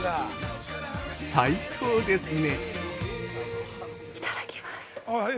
最高ですね。